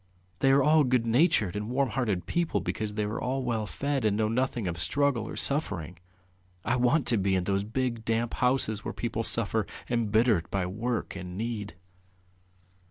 They are all good natured and warm hearted because they are all well fed and know nothing of struggle or suffering, ... I want to be in those big damp houses where people suffer, embittered by work and need.